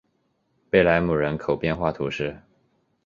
贝莱姆人口变化图示